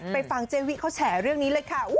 ฟังเจวิเขาแฉเรื่องนี้เลยค่ะ